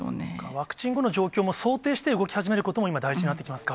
ワクチン後の状況も想定して動き始めることも、今大事になってきますか。